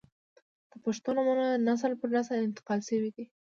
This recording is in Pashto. • د پښتو نومونه نسل پر نسل انتقال شوي دي.